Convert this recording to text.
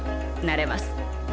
なれます。